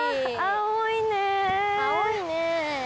青いねえ。